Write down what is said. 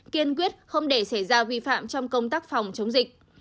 kiên quyết không để xảy ra vi phạm trong công tác phòng chống dịch